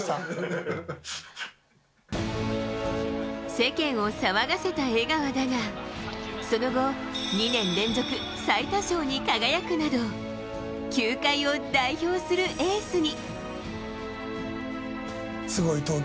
世間を騒がせた江川だがその後２年連続最多勝に輝くなど球界を代表するエースに。